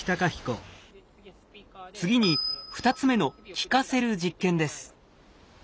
次に２つ目の聞かせる実験です。